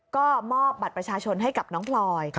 ก็มอบบัตรประชาชนให้กับน้องพลอย